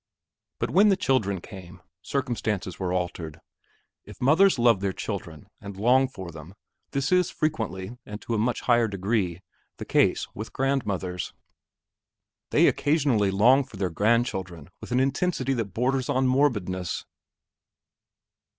But when the children came, circumstances were altered. If mothers love their children and long for them, this is frequently, and to a much higher degree, the case with grandmothers; they occasionally long for their grandchildren with an intensity that borders on morbidness.